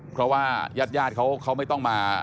เพราะว่าญาติเขาไม่ต้องมา